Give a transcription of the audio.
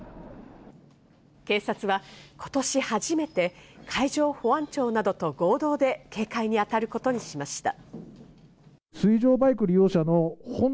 警察は今年初めて、海上保安庁などと合同で警戒に当たることにしました。